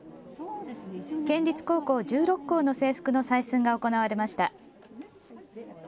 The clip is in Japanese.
県立高校１６校の制服の採寸が行われました。